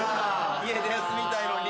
家で休みたいのに。